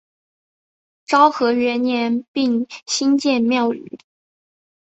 昭和元年并新建庙宇。